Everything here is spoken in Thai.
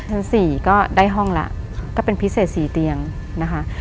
ชั้น๔ก็ได้ห้องแล้วก็เป็นพิเศษ๔เตียงนะคะ